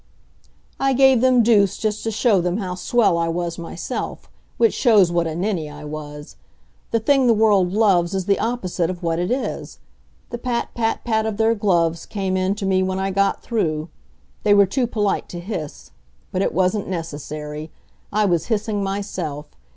I gave them Duse just to show them how swell I was myself; which shows what a ninny I was. The thing the world loves is the opposite of what it is. The pat pat pat of their gloves came in to me when I got through. They were too polite to hiss. But it wasn't necessary. I was hissing myself.